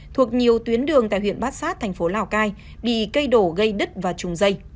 thuộc nhiều tuyến đường tại huyện bát sát thành phố lào cai bị cây đổ gây đứt và trùng dây